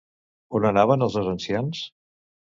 On anaven els dos ancians?